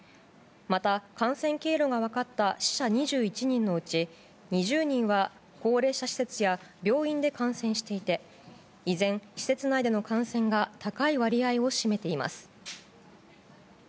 また、感染経路が分かった死者２１人のうち２０人は高齢者施設や病院で感染していて依然、施設内での感染が高い割合を占めています。